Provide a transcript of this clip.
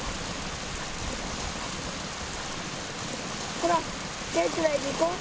ほら手つないで行こう。